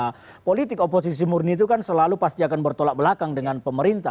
nah politik oposisi murni itu kan selalu pasti akan bertolak belakang dengan pemerintah